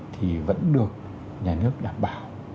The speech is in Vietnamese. thì vẫn được nhà nước đảm bảo